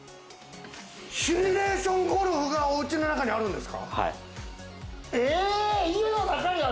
シミュレーションゴルフがお家の中にあるんですか？